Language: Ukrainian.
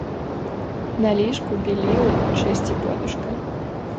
На ліжку біліли чисті подушки.